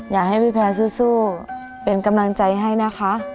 อยากให้พี่แพรสู้เป็นกำลังใจให้นะคะ